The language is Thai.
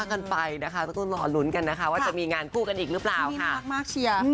มิคบอกว่าเห็นโบเหมือนน้องหมาน่ารัก